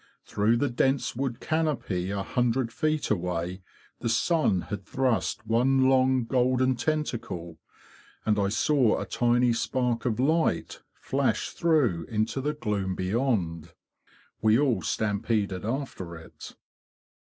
Through the dense wood canopy a hundred feet away the sun had thrust one long golden tentacle; and I saw a tiny spark of light flash through into the gloom beyond. We all stampeded after it.